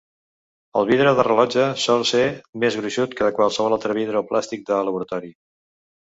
El vidre de rellotge sol ser més gruixut que qualsevol altre vidre o plàstic de laboratori.